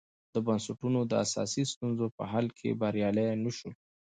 د بنسټونو د اساسي ستونزو په حل کې بریالي نه شول.